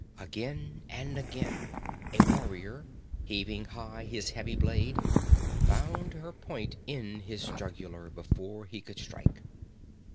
Again and again a warrior, heaving high his heavy blade, found her point in his jugular before he could strike.